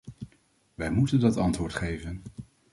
Wij moeten dat antwoord geven.